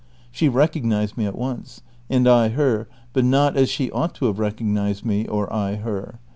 She recognized me at once, and I her, but not as she ouglit to have recognized me, or I her.